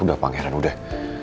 udah pangeran udah